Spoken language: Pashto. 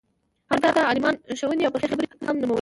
همدارنګه عالمانه ښووني او پخې خبرې هم نومولې.